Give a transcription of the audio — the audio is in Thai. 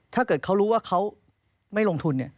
ถ้าเกิดเขารู้ว่าเขาไม่ลงทุน